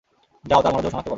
যাও, তার মরদেহ শনাক্ত কর।